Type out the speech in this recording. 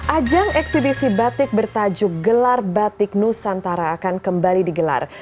ajang eksibisi batik bertajuk gelar batik nusantara akan kembali digelar